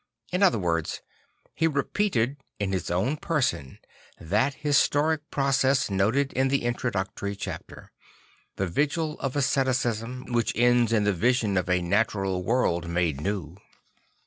In other words, he repeated in his own person that historic process noted in the introductory chapter; the vigil of asceticism which ends in the vision of a natural world made new.